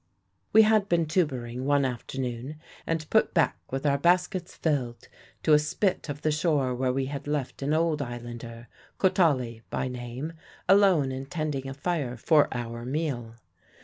"We had been tuburing one afternoon, and put back with our baskets filled to a spit of the shore where we had left an old islander, Kotali by name, alone and tending a fire for our meal.